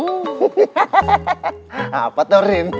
hahaha apa tuh rin